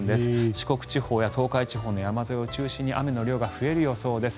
四国地方や東海地方の山沿いを中心に雨の量が増える予想です。